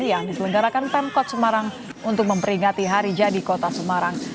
yang diselenggarakan pemkot semarang untuk memperingati hari jadi kota semarang